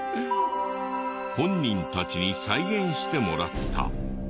本人たちに再現してもらった。